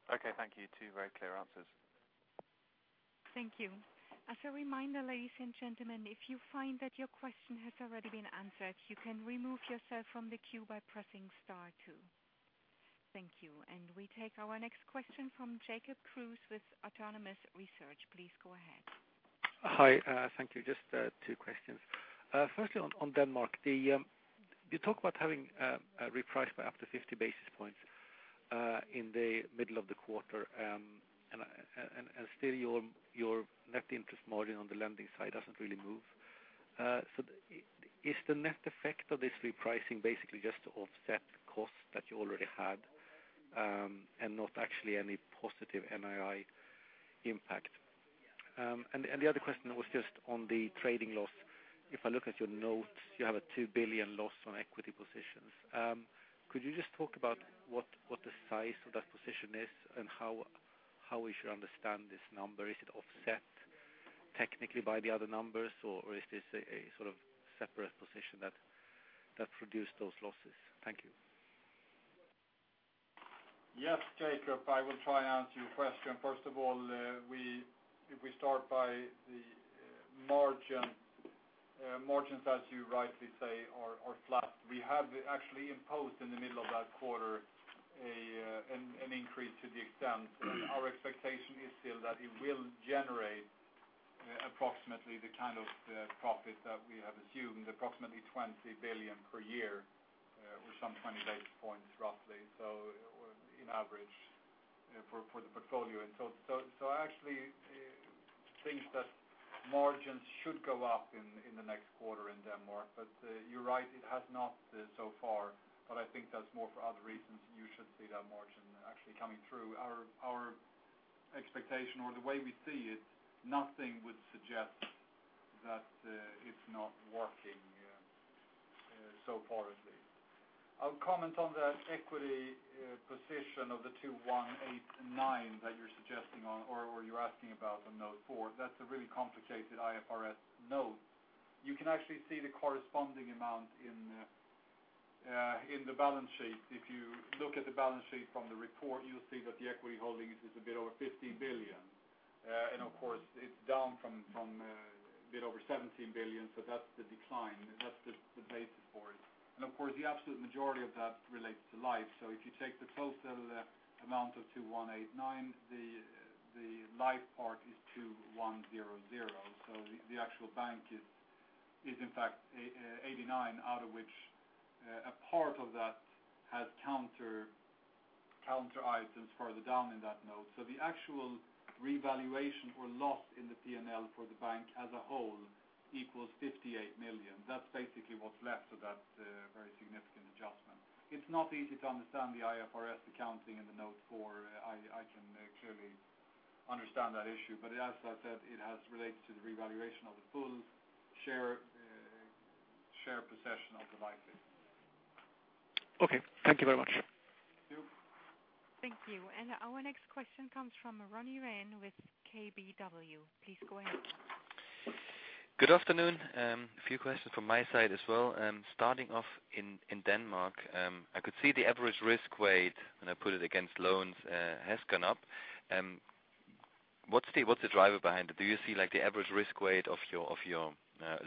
Okay. Thank you two, very clear answers. Thank you. As a reminder, ladies and gentlemen, if you find that your question has already been answered, you can remove yourself from the queue by pressing star two. Thank you. We take our next question from Jacob Kruse with Autonomous Research. Please go ahead. Hi. Thank you. Just two questions. Firstly, on Denmark, you talk about having a reprice by up to 50 basis points in the middle of the quarter. Still, your net interest margin on the lending side doesn't really move. Is the net effect of this repricing basically just to offset costs that you already had and not actually any positive NII impact? Yeah. The other question was just on the trading loss. If I look at your notes, you have a 2 billion loss on equity positions. Could you just talk about what the size of that position is and how we should understand this number? Is it offset technically by the other numbers, or is this a sort of separate position that produced those losses? Thank you. Yeah, Jacob, I will try to answer your question. First of all, if we start by the margins, as you rightly say, are flat. We have actually imposed in the middle of that quarter an increase to the extent. Our expectation is still that it will generate approximately the kind of profit that we have assumed, approximately 20 billion per year with some funding basis points roughly, so in average for the portfolio. I actually think that margins should go up in the next quarter in Denmark. You're right, it has not so far. I think that's more for other reasons. You should see that margin actually coming through. Our expectation or the way we see it, nothing would suggest that it's not working so far at least. I'll comment on the equity position of the 2,189 that you're suggesting on or you're asking about on note four. That's a really complicated IFRS note. You can actually see the corresponding amount in the balance sheet. If you look at the balance sheet from the report, you'll see that the equity holding is a bit over 50 billion. Of course, it's down from a bit over $UR 17 billion. That's the decline. That's the basis for it. The absolute majority of that relates to life. If you take the total amount of 2,189, the life part is 2,100. The actual bank is, in fact, 89, out of which a part of that has counter items further down in that note. The actual revaluation or loss in the P&L for the bank as a whole equals 58 million. That's basically what's left of that very significant adjustment. It's not easy to understand the IFRS accounting in the note four. I can clearly understand that issue. As I said, it relates to the revaluation of the pool share possession of devices. Okay, thank you very much. Thank you. Our next question comes from Ronnie Rehn with KBW. Please go ahead. Good afternoon. A few questions from my side as well. Starting off in Denmark, I could see the average risk rate, and I put it against loans, has gone up. What's the driver behind it? Do you see like the average risk rate of your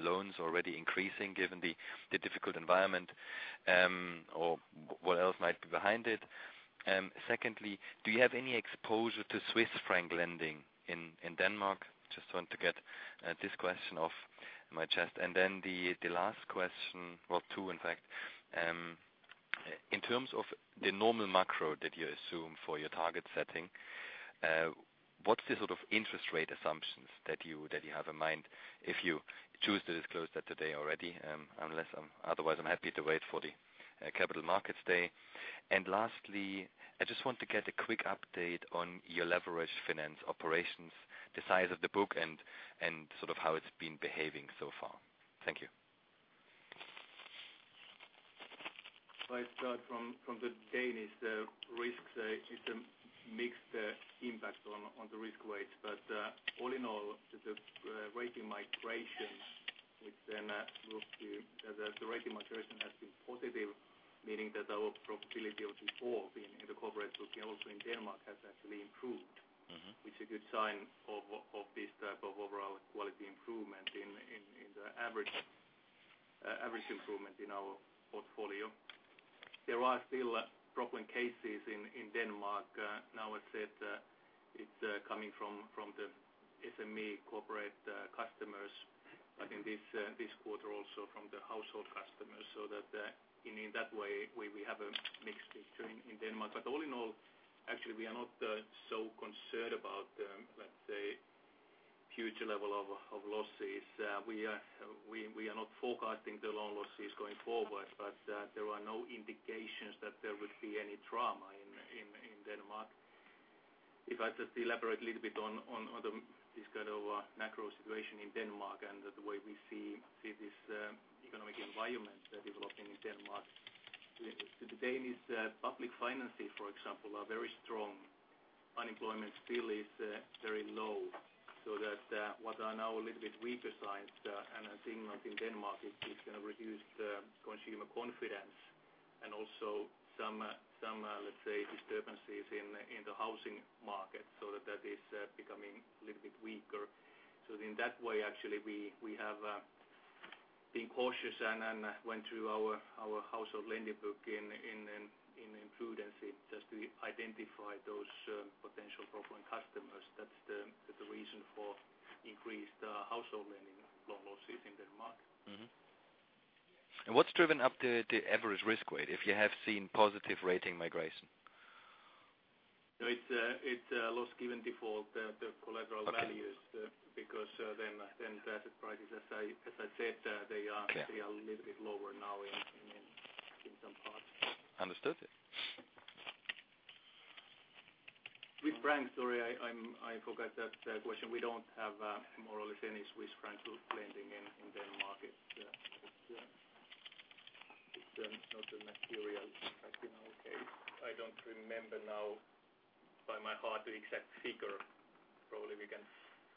loans already increasing given the difficult environment, or what else might be behind it? Secondly, do you have any exposure to Swiss franc lending in Denmark? Just want to get this question off my chest. The last question, actually two. In terms of the normal macro that you assume for your target setting, what's the sort of interest rate assumptions that you have in mind if you choose to disclose that today already? Otherwise, I'm happy to wait for the Capital Markets Day. Lastly, I just want to get a quick update on your leverage finance operations, the size of the book, and sort of how it's been behaving so far. Thank you. Right. From the Danish risks, it's a mixed impact on the risk weights. All in all, the rating migration has been positive, meaning that our probability of default in the corporate book and also in Denmark has actually improved, which is a good sign of this type of overall quality improvement in the average improvement in our portfolio. There are still problem cases in Denmark. As I said, it's coming from the SME corporate customers, but in this quarter also from the household customers. In that way, we have a mixed picture in Denmark. All in all, we are not so concerned about, let's say, future level of losses. We're not forecasting the loan losses going forward, but there are no indications that there would be any trauma in Denmark. If I just elaborate a little bit on this kind of macro situation in Denmark and the way we see this economic environment developing in Denmark, the Danish public finances, for example, are very strong. Unemployment still is very low. What are now a little bit weaker signs, and I think like in Denmark, it's going to reduce the consumer confidence and also some, let's say, disturbances in the housing market. That is becoming a little bit weaker. In that way, we have been cautious and went through our household lending book in prudency just to identify those potential profitable customers. That's the reason for increased household lending loan losses in Denmark. What's driven up the average risk rate if you have seen positive rating migration? It's loss given default, the collateral values, because the asset prices, as I said, they are a little bit lower now. Understood. With Frank, I forgot that question. We don't have more or less any Swiss franc lending in Denmark. It's not material, I think. I don't remember now by my heart the exact figure. Probably we can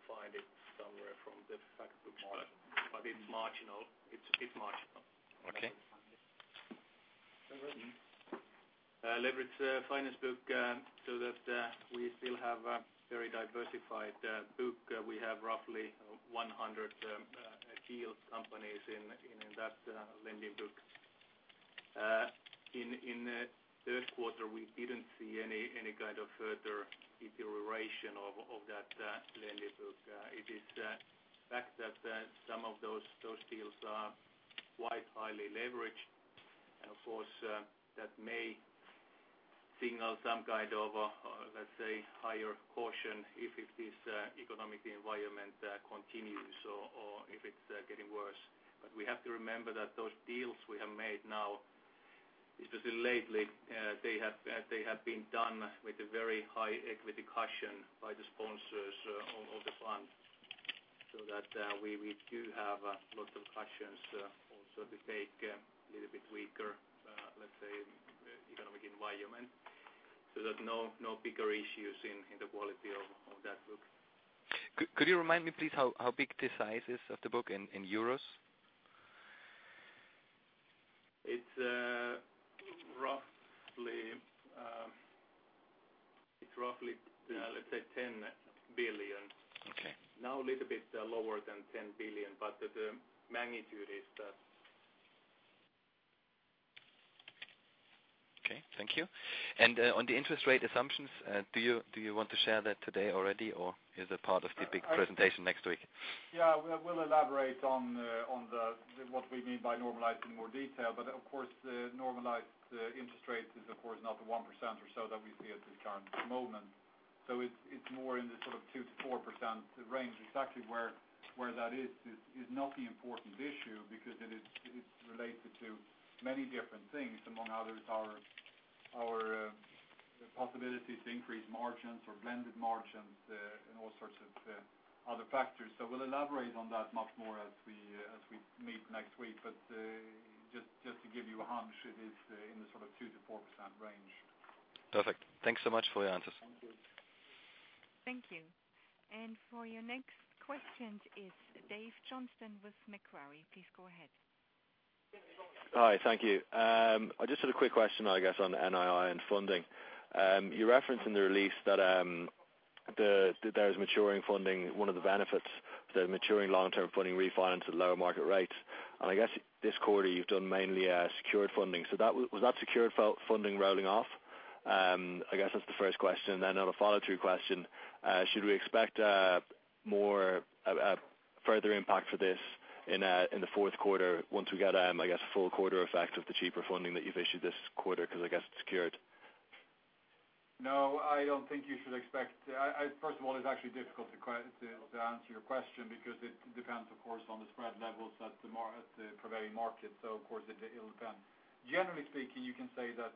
find it somewhere from the fact book model. But in marginal, it's model. Okay, great. Leverage finance book, so that we still have a very diversified book. We have roughly 100 deal companies in that lending book. In the first quarter, we didn't see any kind of further iteration of that lending book. It is the fact that some of those deals are quite highly leveraged. Of course, that may signal some kind of, let's say, higher caution if this economic environment continues or if it's getting worse. We have to remember that those deals we have made now, especially lately, they have been done with a very high equity cushion by the sponsors of the fund. We do have local cushions also to take a little bit weaker, let's say, economic environment so that no bigger issues in the quality of that book. Could you remind me, please, how big the size is of the book in euros? It's roughly, let's say, 10 billion. Okay. Now a little bit lower than 10 billion, but the magnitude is that. Thank you. On the interest rate assumptions, do you want to share that today already, or is it part of the big presentation next week? Yeah. We'll elaborate on what we mean by normalized in more detail. Of course, normalized interest rate is, of course, not the 1% or so that we see at the current moment. It's more in the sort of 2%-4% range. Exactly where that is is not the important issue because it relates to many different things, among others, our possibilities to increase margins or blended margins and all sorts of other factors. We'll elaborate on that much more as we meet next week. Just to give you a hunch, it is in the sort of 2%-4% range. Perfect. Thanks so much for your answers. Thank you. Thank you. For your next question, Dave Johnston with Macquarie, please go ahead. Hi. Thank you. I just had a quick question, I guess, on NII and funding. You referenced in the release that there is maturing funding. One of the benefits of the maturing long-term funding refinance at lower market rates. This quarter, you've done mainly a secured funding. Was that secured funding rolling off? That's the first question. Another follow-through question. Should we expect a further impact for this in the fourth quarter once we get a full quarter effect of the cheaper funding that you've issued this quarter because it's secured? No, I don't think you should expect. First of all, it's actually difficult to answer your question because it depends, of course, on the spread levels at the primary market. It will depend. Generally speaking, you can say that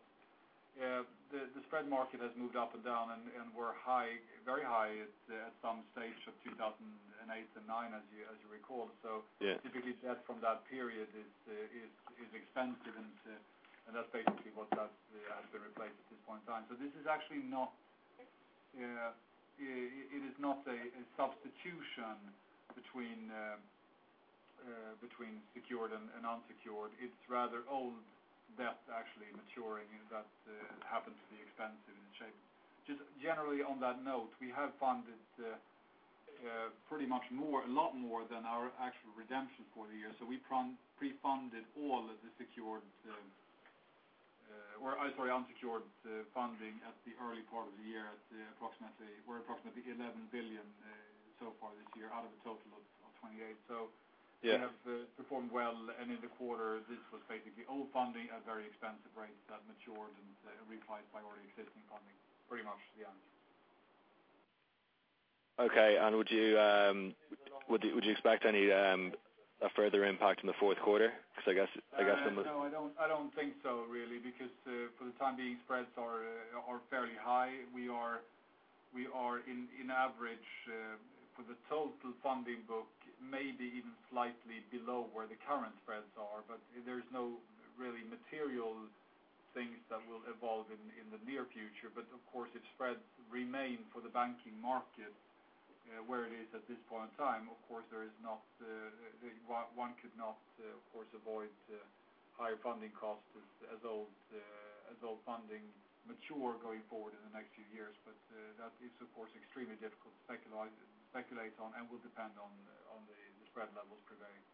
the spread market has moved up and down and were very high at some stage of 2008 and 2009, as you recall. Typically, debt from that period is expensive, and that's basically what has been replaced at this point in time. This is actually not a substitution between secured and unsecured. It's rather old debt actually maturing that happened to be expensive in the shape. Just generally on that note, we have funded pretty much more, a lot more than our actual redemption for the year. We pre-funded all of the secured or, sorry, unsecured funding at the early part of the year at approximately, we're at approximately 11 billion so far this year out of a total of 28 billion. We have performed well. In the quarter, this was basically old funding at very expensive rates that matured and replied by already existing funding, pretty much to be honest. Would you expect any further impact in the fourth quarter? I guess. No, I don't think so, really, because for the time being, spreads are fairly high. We are, on average, for the total funding book, maybe even slightly below where the current spreads are. There's no really material things that will evolve in the near future. Of course, if spreads remain for the banking market where it is at this point in time, one could not, of course, avoid higher funding costs as old funding mature going forward in the next few years. That is, of course, extremely difficult to speculate on and will depend on the spread levels prevailing.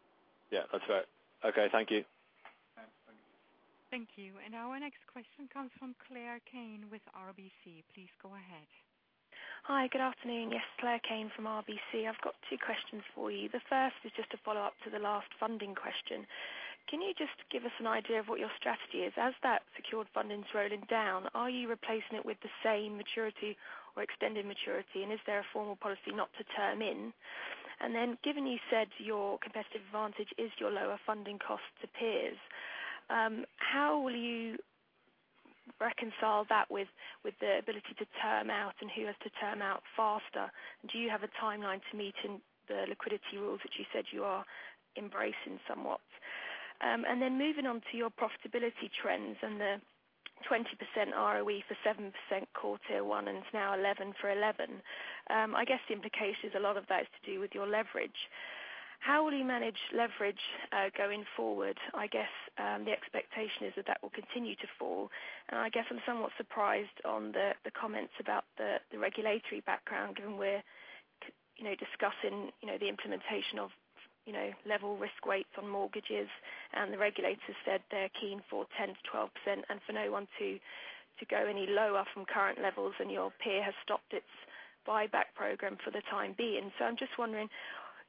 Yeah, that's right. Okay, thank you. Thank you. Our next question comes from Claire Kane with RBC. Please go ahead. Hi. Good afternoon. Yes, Claire Kane from RBC. I've got two questions for you. The first is just a follow-up to the last funding question. Can you just give us an idea of what your strategy is? As that secured funding is rolling down, are you replacing it with the same maturity or extended maturity, and is there a formal policy not to term in? Given you said your competitive advantage is your lower funding costs to peers, how will you reconcile that with the ability to term out and who has to term out faster? Do you have a timeline to meet in the liquidity rules that you said you are embracing somewhat? Moving on to your profitability trends and the 20% ROE for 7% quarter one and now 11% for 11%, I guess the implication is a lot of that is to do with your leverage. How will you manage leverage going forward? I guess the expectation is that that will continue to fall. I'm somewhat surprised on the comments about the regulatory background, given we're discussing the implementation of level risk weights on mortgages. The regulators said they're keen for 10%-12% and for no one to go any lower from current levels. Your peer has stopped its buyback program for the time being. I'm just wondering,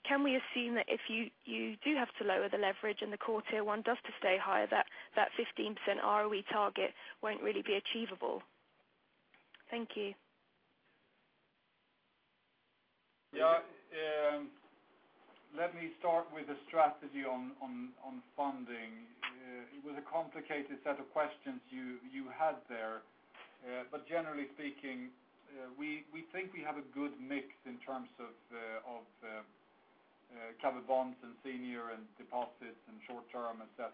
can we assume that if you do have to lower the leverage and the quarter one does to stay higher, that 15% ROE target won't really be achievable? Thank you. Yeah. Let me start with the strategy on funding. It was a complicated set of questions you had there. Generally speaking, we think we have a good mix in terms of covered bonds and senior and deposits and short-term, etc.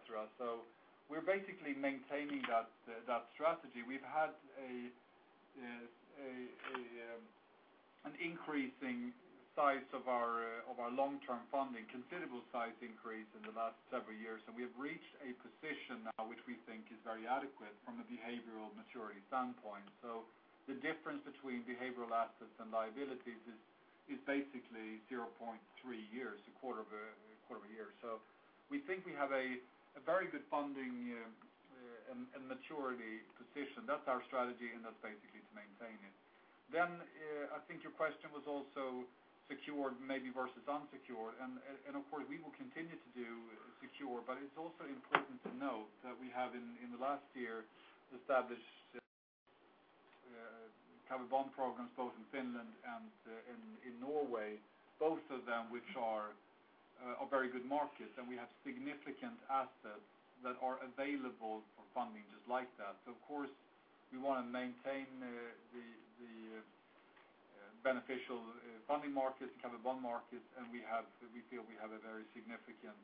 We're basically maintaining that strategy. We've had an increasing size of our long-term funding, considerable size increase in the last several years. We have reached a position now which we think is very adequate from a behavioral maturity standpoint. The difference between behavioral assets and liabilities is basically 0.3 years, a quarter of a year. We think we have a very good funding and maturity position. That's our strategy, and that's basically to maintain it. I think your question was also secured maybe versus unsecured. Of course, we will continue to do secure. It's also important to note that we have in the last year established covered bond programs both in Finland and in Norway, both of them which are very good markets. We have significant assets that are available for funding just like that. We want to maintain the beneficial funding markets and covered bond markets. We feel we have a very significant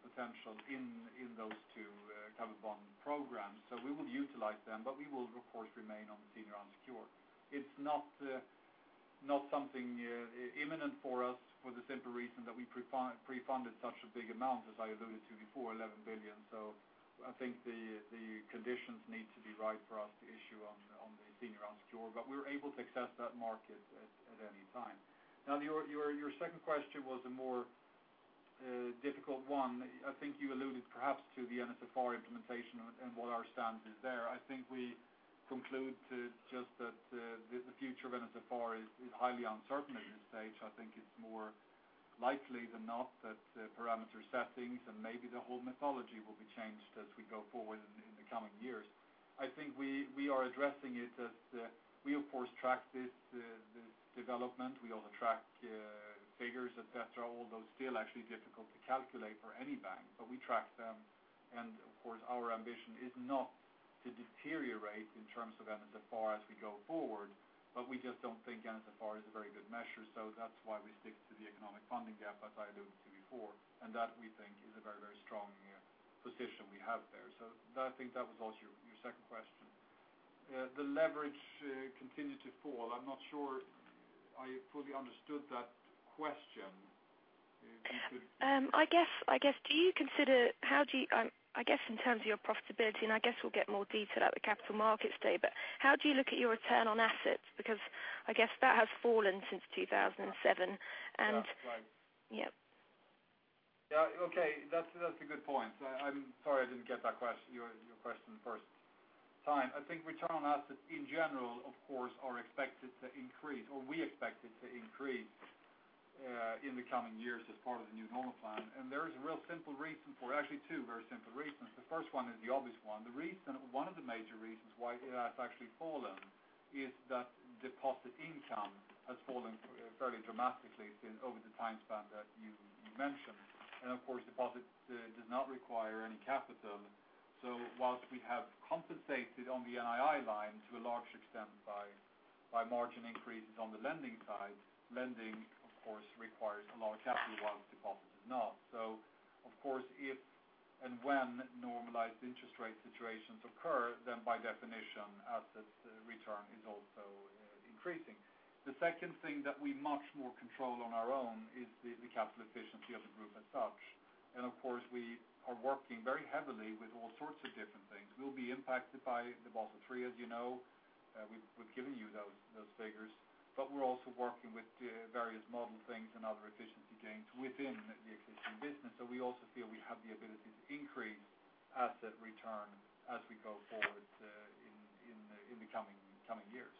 potential in those two covered bond programs. We will utilize them. We will, of course, remain on senior unsecured. It's not something imminent for us for the simple reason that we pre-funded such a big amount, as I alluded to before, 11 billion. I think the conditions need to be right for us to issue on the senior unsecured. We're able to access that market at any time. Your second question was a more difficult one. I think you alluded perhaps to the NSFR implementation and what our stance is there. I think we conclude just that the future of NSFR is highly uncertain at this stage. It's more likely than not that parameter settings and maybe the whole methodology will be changed as we go forward in the coming years. We are addressing it as we of course track this development. We all track figures, etc., although still actually difficult to calculate for any bank. We track them. Our ambition is not to deteriorate in terms of NSFR as we go forward. We just don't think NSFR is a very good measure. That's why we stick to the economic funding gap, as I alluded to before. We think that is a very, very strong position we have there. I think that was also your second question. The leverage continues to fall. I'm not sure I fully understood that question. Do you consider, how do you, in terms of your profitability, and I guess we'll get more detail at the capital markets day, how do you look at your return on assets? Because I guess that has fallen since 2007. Okay. That's a good point. I'm sorry I didn't get your question the first time. I think return on assets in general, of course, are expected to increase, or we expect it to increase in the coming years as part of the new normal plan. There is a real simple reason for it, actually two very simple reasons. The first one is the obvious one. The reason, one of the major reasons why it has actually fallen is that deposit income has fallen fairly dramatically over the time span that you mentioned. Of course, deposits do not require any capital. Whilst we have compensated on the NII line to a large extent by margin increases on the lending side, lending, of course, requires a lot of capital while deposit does not. If and when normalized interest rate situations occur, then by definition, assets return is also increasing. The second thing that we have much more control on our own is the capital efficiency of the group as such. Of course, we are working very heavily with all sorts of different things. We will be impacted by Basel III, as you know. We've given you those figures. We're also working with various model things and other efficiency gains within the existing business. We also feel we have the ability to increase asset return as we go forward in the coming years.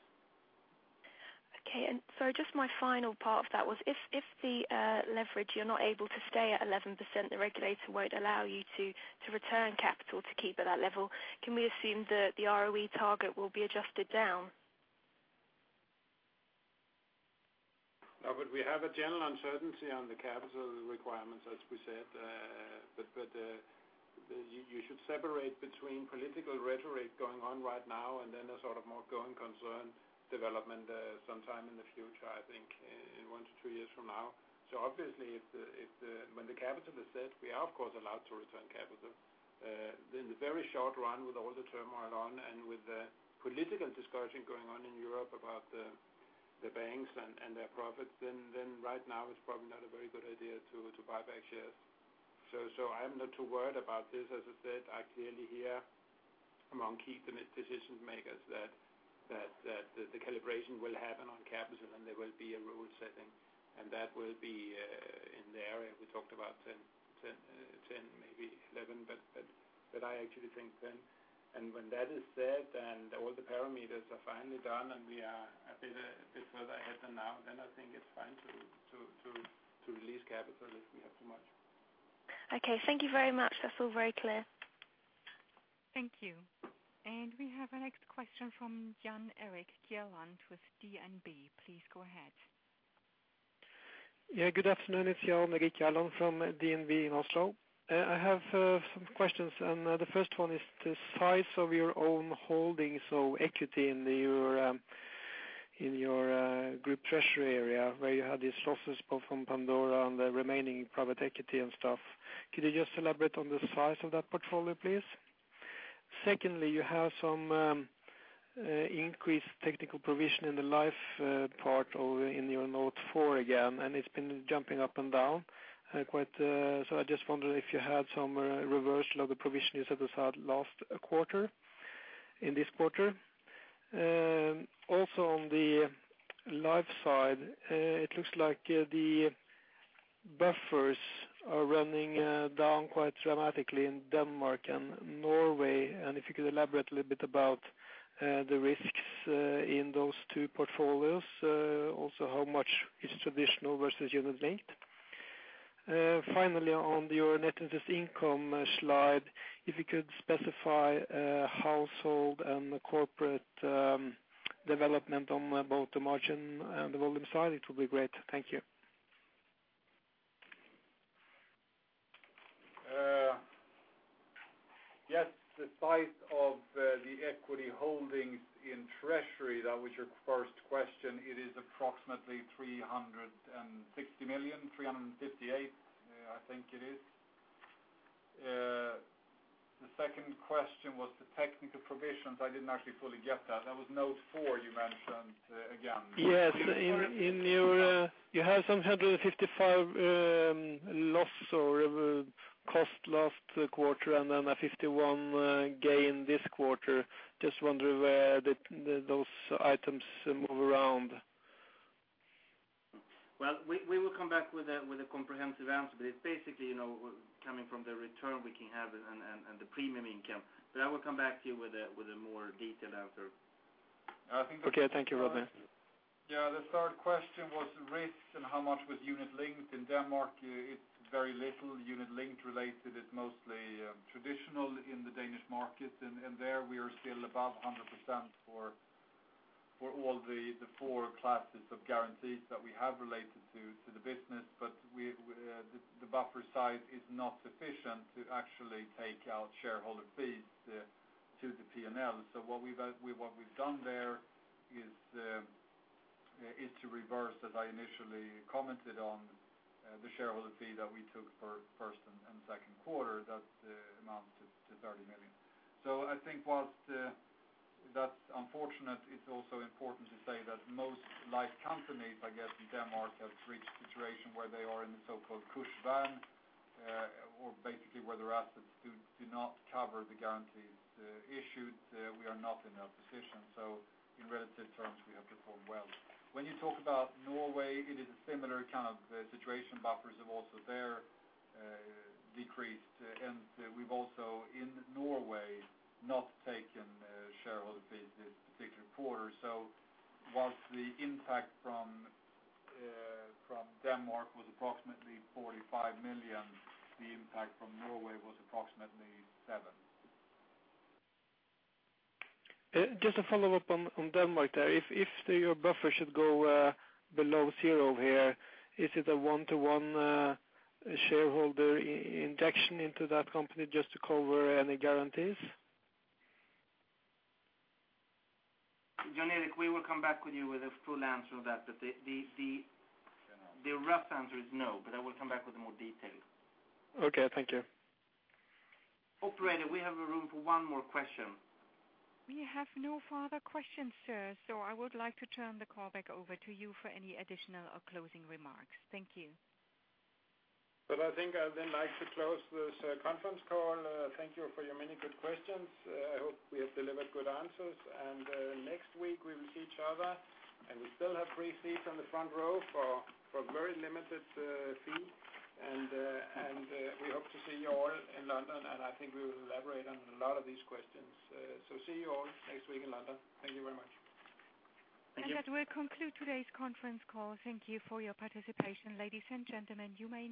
Sorry, just my final part of that was if the leverage you're not able to stay at 11%, the regulator won't allow you to return capital to keep at that level, can we assume that the ROE target will be adjusted down? No, but we have a general uncertainty on the capital requirements, as we said. You should separate between political rhetoric going on right now and then a sort of more growing concern development sometime in the future, I think, one to two years from now. Obviously, when the capital is set, we are, of course, allowed to return capital. In the very short run, with all the turmoil on and with the political discussion going on in Europe about the banks and their profits, right now it's probably not a very good idea to buy back shares. I am not too worried about this. As I said, I clearly hear among key decision-makers that the calibration will happen on capital and there will be a rule setting. That will be in the area we talked about, 10%, 10% maybe 11%. I actually think 10%. When that is said and all the parameters are finally done and we are a bit further ahead than now, I think it's fine to release capital if we have too much. Okay, thank you very much. That's all very clear. Thank you. We have a next question from Jan Erik Gjerland with DNB. Please go ahead. Yeah. Good afternoon. It's Jan Erik Gjerland from DNB in Oslo. I have some questions. The first one is the size of your own holding, so equity in your group treasury area where you had these losses both from Pandora and the remaining private equity and stuff. Could you just elaborate on the size of that portfolio, please? Secondly, you have some increased technical provision in the life part over in your notes four again. It's been jumping up and down quite a bit. I just wondered if you had some reversal of the provision you set aside last quarter in this quarter. Also, on the life side, it looks like the buffers are running down quite dramatically in Denmark and Norway. If you could elaborate a little bit about the risks in those two portfolios, also how much is traditional versus unit linked. Finally, on your net interest income slide, if you could specify household and corporate development on both the margin and the volume side, it would be great. Thank you. Yes. The size of the equity holdings in Treasury, that was your first question. It is approximately 360 million, 358 million, I think it is. The second question was the technical provisions. I didn't actually fully get that. That was note four you mentioned again. Yes. You have some 155 loss or cost loss quarter, and then a 51 gain this quarter. Just wonder where those items move around. We will come back with a comprehensive answer. It's basically, you know, coming from the return we can have and the premium income. I will come back to you with a more detailed answer. Okay. Thank you, Rodney. Yeah. The third question was the risks and how much was unit linked in Denmark. It's very little unit linked related. It's mostly traditional in the Danish markets. There, we are still above 100% for all the four classes of guarantees that we have related to the business. The buffer side is not sufficient to actually take out shareholder fees to the P&L. What we've done there is to reverse, as I initially commented on, the shareholder fee that we took for first and second quarter, that amounted to 30 million. I think whilst that's unfortunate, it's also important to say that most life companies, I guess, in Denmark have reached a situation where they are in the so-called "kush van," or basically where their assets do not cover the guarantees issued. We are not in that position. In relative terms, we have performed well. When you talk about Norway, it is a similar kind of situation. Buffers have also there decreased. We've also, in Norway, not taken shareholder fees this particular quarter. Whilst the impact from Denmark was approximately 45 million, the impact from Norway was approximately 7 million. Just a follow-up on Denmark there. If your buffer should go below zero here, is it a one-to-one shareholder injection into that company just to cover any guarantees? Jan Erik, we will come back to you with a full answer to that. The rough answer is no. I will come back with a more detailed answer. Okay, thank you. Operator, we have room for one more question. We have no further questions, sir. I would like to turn the call back over to you for any additional or closing remarks. Thank you. I think I'd then like to close this conference call. Thank you for your many good questions. I hope we have delivered good answers. Next week we will see each other, and we still have three seats in the front row for a very limited fee. We hope to see you all in London, and I think we will elaborate on a lot of these questions. See you all next week in London. Thank you very much. That will conclude today's conference call. Thank you for your participation, ladies and gentlemen. You may.